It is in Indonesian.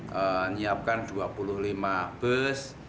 menyiapkan dua puluh lima bus